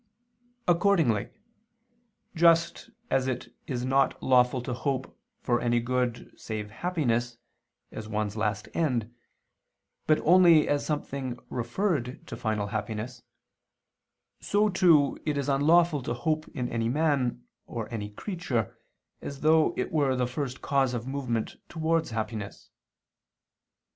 Accordingly, just as it is not lawful to hope for any good save happiness, as one's last end, but only as something referred to final happiness, so too, it is unlawful to hope in any man, or any creature, as though it were the first cause of movement towards happiness.